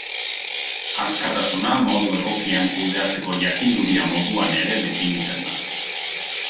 Askatasuna modu egokian kudeatzeko jakinduria moduan ere definitzen da.